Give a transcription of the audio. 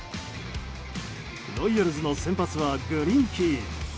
ロイヤルズの先発はグリンキー。